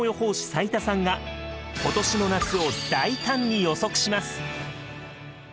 斉田さんが今年の夏を大胆に予測します。